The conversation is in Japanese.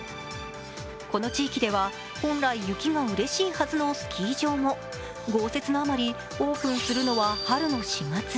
この地域では、本来雪がうれしいはずのスキー場も豪雪のあまりオープンするのは春の４月。